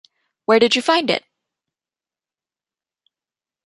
Where did you find it?